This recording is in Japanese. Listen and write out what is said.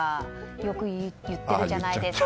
よく言ってるじゃないですか。